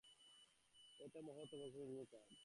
এ তো মহত্ত্ব, প্রশংসনীয় কাজ।